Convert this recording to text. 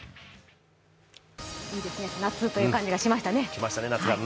いいですね、夏という感じがしましたね。